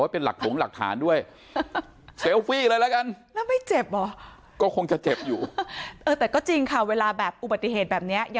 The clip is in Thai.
เป็นหลักฐานด้วย